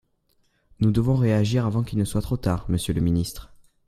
Nous devons réagir avant qu’il ne soit trop tard, monsieur le ministre.